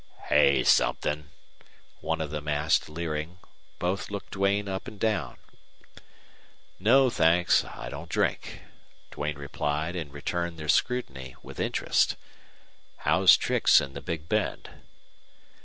"Hey somethin'?" one of them asked, leering. Both looked Duane up and down. "No thanks, I don't drink," Duane replied, and returned their scrutiny with interest. "How's tricks in the Big Bend?"